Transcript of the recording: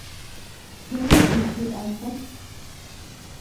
¿Tlen okichi astatl?